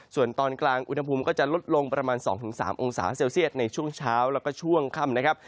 ส่วนตอนกลางอุณหภูมิก็จะลดลงประมาณ๒๓องศาเซลเซียตในช่วงเช้าแล้วก็ช่วงค่ำนะครับ